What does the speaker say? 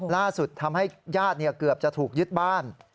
ล่าสุดทำให้ญาติเกือบจะถูกยึดบ้าน